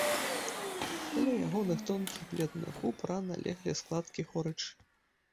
Каля ягоных тонкіх бледных губ рана леглі складкі горычы.